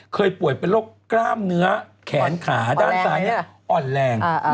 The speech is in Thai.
ป่วยเป็นโรคกล้ามเนื้อแขนขาด้านซ้ายนี้อ่อนแรง